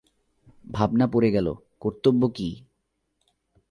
ভাবনা পড়ে গেল, কর্তব্য কী।